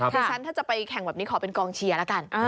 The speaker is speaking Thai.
ดิฉันถ้าจะไปแข่งแบบนี้ขอเป็นกองเชียร์แล้วกัน